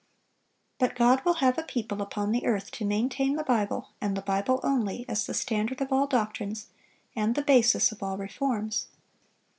But God will have a people upon the earth to maintain the Bible, and the Bible only, as the standard of all doctrines, and the basis of all reforms.